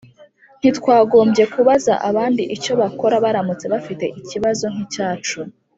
Ntitwagombye kubaza abandi icyo bakora baramutse bafite ikibazo nk icyacu